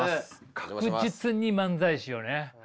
確実に漫才師よね。